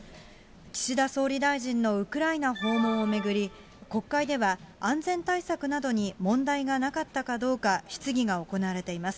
岸田総理大臣のウクライナ訪問を巡り、国会では安全対策などに問題がなかったかどうか質疑が行われています。